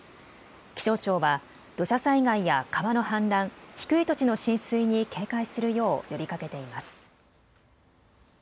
気象庁は土砂災害や川の氾濫、低い土地の浸水に警戒するよう呼びかけています。